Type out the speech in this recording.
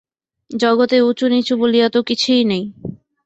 জগতে উঁচু-নীচু বলিয়া তো কিছুই নাই।